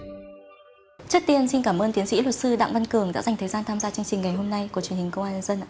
trước tiên xin cảm ơn tiến sĩ luật sư đặng văn cường đã dành thời gian tham gia chương trình ngày hôm nay của truyền hình công an nhân dân